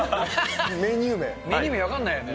メニュー名分かんないよね。